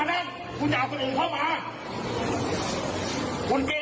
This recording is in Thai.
นี่ค่ะจากที่เห็นในภาพนะคะ